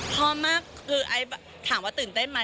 พ่อมากคือถามว่าตื่นเต้นมั้ย